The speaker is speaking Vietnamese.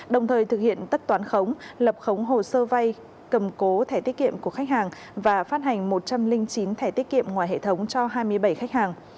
đồng thời thực hiện tất toán khống lập khống hồ sơ vay cầm cố thẻ tiết kiệm của khách hàng và phát hành một trăm linh chín thẻ tiết kiệm ngoài hệ thống cho hai mươi bảy khách hàng